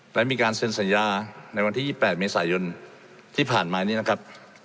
และมีการเซ็นสัญญาในวันที่๒๘เมษายนที่ผ่านมานี้นะครับ